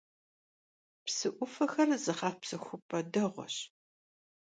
Psı 'Ufexer zığepsexup'e değueş.